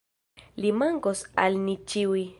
Li mankos al ni ĉiuj.